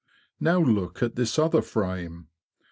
Now look at this other frame.